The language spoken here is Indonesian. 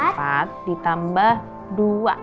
empat ditambah dua